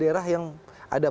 daerah yang ada